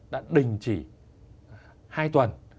đã đình chỉ hai tuần